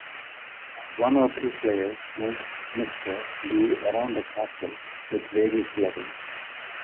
One or two players moved Mr. Do around a castle with various levels.